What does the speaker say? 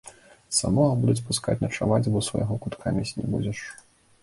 Самога будуць пускаць начаваць, бо свайго кутка мець не будзеш.